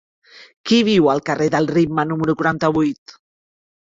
Qui viu al carrer del Ritme número quaranta-vuit?